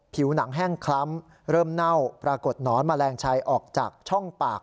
ผิวหนังแห้งคล้ำเริ่มเน่าปรากฏหนอนแมลงชัยออกจากช่องปาก